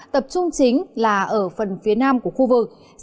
tập trung chính là ở phần phía nam của khu vực